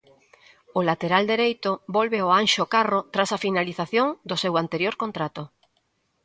O lateral dereito volve ao Anxo Carro tras a finalización do seu anterior contrato.